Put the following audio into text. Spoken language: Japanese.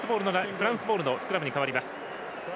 フランスボールのスクラムに変わります。